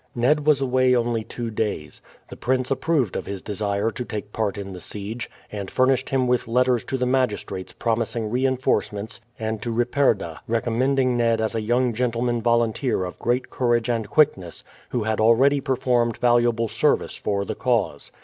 Ned was away only two days. The prince approved of his desire to take part in the siege, and furnished him with letters to the magistrates promising reinforcements, and to Ripperda recommending Ned as a young gentleman volunteer of great courage and quickness, who had already performed valuable service for the cause.